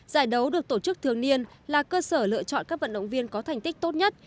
giải đấu được tổ chức thường niên là cơ sở lựa chọn các vận động viên có thành tích tốt nhất